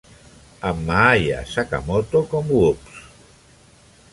Amb Maaya Sakamoto com "Whoops!!